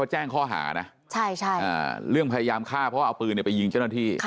แจ้งข้อหานะเรื่องพยายามฆ่าเพราะว่าเอาปืนไปยิงเจ้าหน้าที่